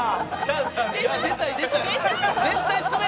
いや出たい出たい。